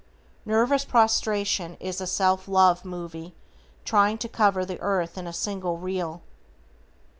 Nervous prostration is a self love "Movie" trying to cover the earth in a single reel.